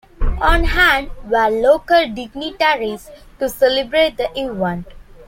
On hand were local dignitaries to celebrate the event.